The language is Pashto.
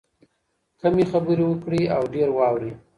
کمې خبرې وکړئ او ډېر واورئ.